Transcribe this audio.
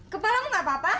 kepalamu gak apa apa